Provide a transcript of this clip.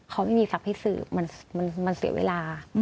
เขาไม่มีศัพท์ให้สืบมันเสียเวลา